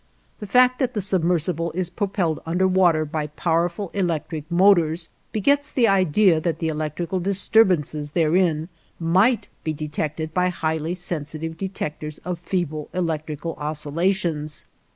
The fact that the submersible is propelled under water by powerful electric motors begets the idea that the electrical disturbances therein might be detected by highly sensitive detectors of feeble electrical oscillations.